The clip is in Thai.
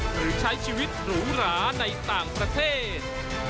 หรือใช้ชีวิตหรูหราในต่างประเทศ